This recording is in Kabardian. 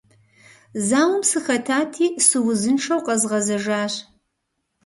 Зауэм сыхэтати, сыузыншэу къэзгъэзэжащ.